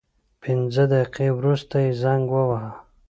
پنځه دقیقې وروسته یې زنګ وواهه.